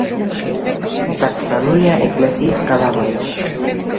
დაკრძალულია ეკლესიის გალავანში.